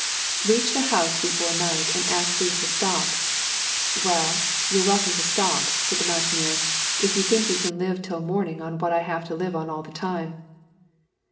Reached a house before night, and asked leave to stop. "Well, you're welcome to stop," said the mountaineer, "if you think you can live till morning on what I have to live on all the time."